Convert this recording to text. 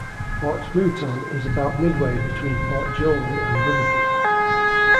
Port Mouton is about midway between Port Joli and Liverpool.